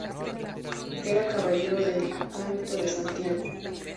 Era Caballero del Hábito de Santiago.